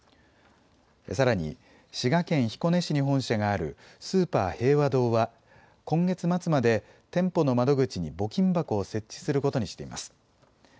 さらに滋賀県彦根市に本社があるスーパー平和堂は今月末まで店舗の窓口に募金箱を設置することにしています。